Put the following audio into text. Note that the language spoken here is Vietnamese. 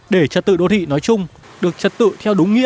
để trật tự đô thị nói chung được trật tự theo đúng nghĩa